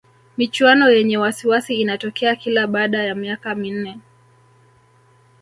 michuano yenye wasiwasi inatokea kila baada ya miaka minne